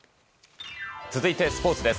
続いて、スポーツです。